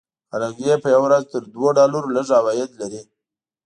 خلک یې په ورځ تر دوو ډالرو لږ عواید لري.